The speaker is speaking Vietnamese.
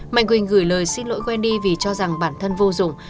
mạnh quỳnh gửi lời xin lỗi wendy vì cho rằng bản thân vô dụng